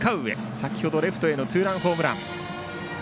先ほどレフトへのツーランホームラン。